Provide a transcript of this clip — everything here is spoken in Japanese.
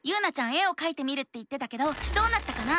絵をかいてみるって言ってたけどどうなったかな？